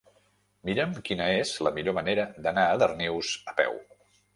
Mira'm quina és la millor manera d'anar a Darnius a peu.